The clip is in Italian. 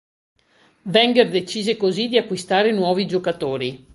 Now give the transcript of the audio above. Wenger decise così di acquistare nuovi giocatori.